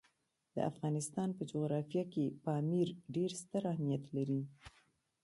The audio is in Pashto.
د افغانستان په جغرافیه کې پامیر ډېر ستر اهمیت لري.